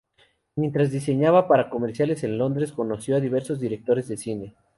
Mientras diseñaba para comerciales en Londres, conoció a diversos directores de cine.